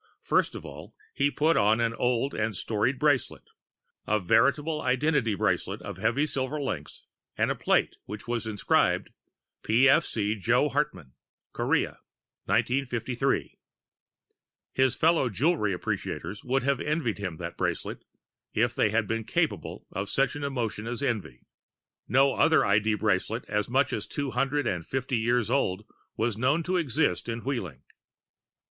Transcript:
First of all, he put on an old and storied bracelet, a veritable identity bracelet of heavy silver links and a plate which was inscribed: PFC JOE HARTMANN Korea 1953 His fellow jewelry appreciators would have envied him that bracelet if they had been capable of such an emotion as envy. No other ID bracelet as much as two hundred and fifty years old was known to exist in Wheeling.